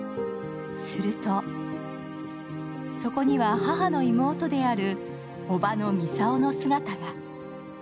するとそこには、母の妹である叔母の操の姿が。